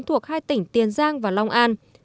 thuộc hai tỉnh tiền giang và long an